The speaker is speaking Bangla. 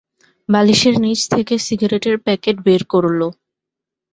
বালিশের নিচ থেকে সিগারেটের প্যাকেট বের করল।